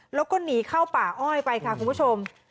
แล้วก็หนีเข้าป่าอ้อยไปค่ะคุณผู้ชม